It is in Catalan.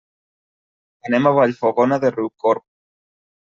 Anem a Vallfogona de Riucorb.